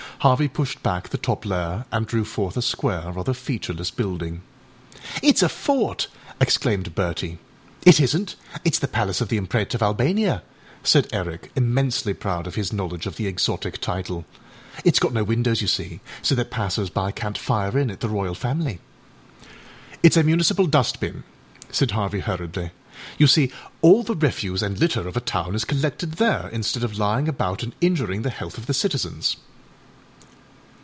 Harvey pushed back the top layer and drew forth a square, rather featureless building. âItâs a fort!â exclaimed Bertie. âIt isnât, itâs the palace of the Mpret of Albania,â said Eric, immensely proud of his knowledge of the exotic title; âitâs got no windows, you see, so that passers by canât fire in at the Royal Family.â âItâs a municipal dust bin,â said Harvey hurriedly; âyou see all the refuse and litter of a town is collected there, instead of lying about and injuring the health of the citizens.